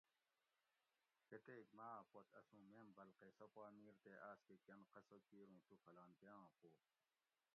کتیک ماۤ پت اسوں میم بلقیسہ پا میر تے آس کہ کن قصہ کیر اوں تو فلانکیاں پو